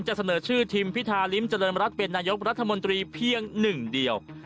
เสนอชื่อทีมพิธาริมเจริญรัฐเป็นนายกรัฐมนตรีเพียงหนึ่งเดียว